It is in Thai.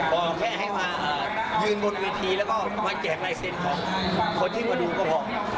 ก็แค่ให้มายืนบนเวทีแล้วก็มาแจกลายเซ็นต์ของคนที่มาดูก็พอ